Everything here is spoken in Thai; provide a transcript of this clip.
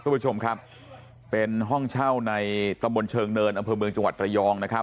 คุณผู้ชมครับเป็นห้องเช่าในตำบลเชิงเนินอำเภอเมืองจังหวัดระยองนะครับ